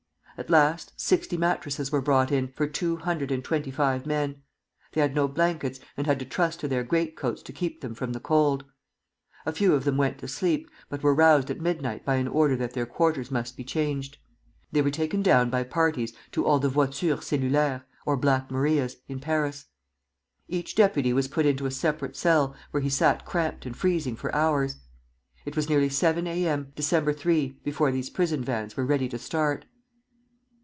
At last, sixty mattresses were brought in, for two hundred and twenty five men. They had no blankets, and had to trust to their great coats to keep them from the cold. A few of them went to sleep, but were roused at midnight by an order that their quarters must be changed. They were taken down by parties to all the voitures cellulaires (or Black Marias) in Paris. Each deputy was put into a separate cell, where he sat cramped and freezing for hours. It was nearly seven A. M., December 3, before these prison vans were ready to start.